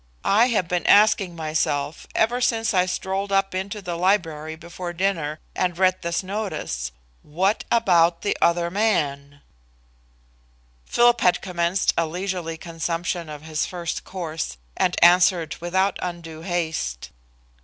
I have been asking myself ever since I strolled up into the library before dinner and read this notice 'What about the other man?'" Philip had commenced a leisurely consumption of his first course, and answered without undue haste.